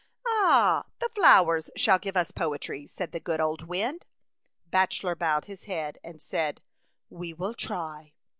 ''" Ah ! the flowers shall give us poetry," said the good old wind. Bachelor bowed his head and said, "We will try."